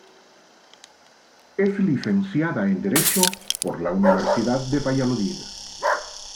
Es licenciada en derecho por la Universidad de Valladolid.